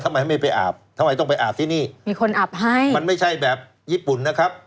ทำไมไม่ไปอาบทำไมต้องไปอาบที่นี่มีคนอาบให้มันไม่ใช่แบบญี่ปุ่นนะครับ